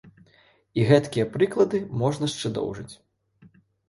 І гэткія прыклады можна шчэ доўжыць.